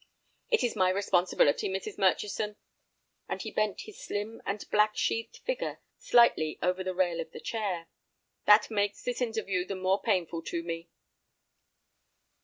"It is my responsibility, Mrs. Murchison," and he bent his slim and black sheathed figure slightly over the rail of the chair, "that makes this interview the more painful to me."